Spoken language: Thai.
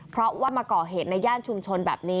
เพราะว่ามาก่อเหตุในย่านชุมชนแบบนี้